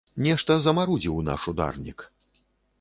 Нешта замарудзіў наш ударнік.